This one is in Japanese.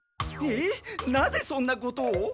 えっなぜそんなことを？